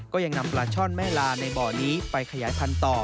ยังนำปลาช่อนแม่ลาในบ่อนี้ไปขยายพันธุ์ต่อ